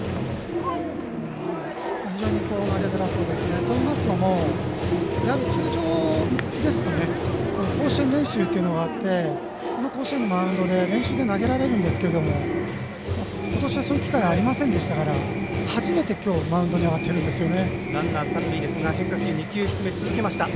非常に投げづらそうですね。といいますのも通常ですと投球練習というのがあってこの甲子園のマウンドで練習で投げられるんですけどもことしはそういう機会がありませんでしたから初めて、きょうマウンドに上がってるんですね。